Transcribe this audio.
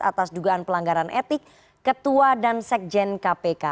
atas dugaan pelanggaran etik ketua dan sekjen kpk